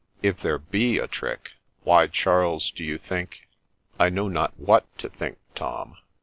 ' If there be a trick ? why, Charles, do you think '' I know not what to think, Tom.